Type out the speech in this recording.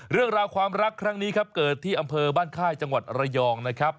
เรื่องราวความรักครั้งนี้ครับเกิดที่อำเภอบ้านค่ายจังหวัดระยองนะครับ